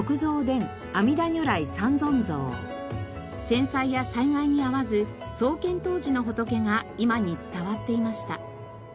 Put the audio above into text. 戦災や災害に遭わず創建当時の仏が今に伝わっていました。